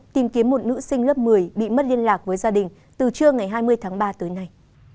tìm kiếm một nữ sinh lớp một mươi bị mất liên lạc với gia đình từ trưa ngày hai mươi tháng ba tới nay